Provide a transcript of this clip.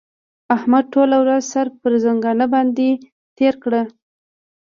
احمد ټوله ورځ سر پر ځنګانه باندې تېره کړه.